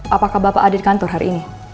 apakah bapak ada di kantor hari ini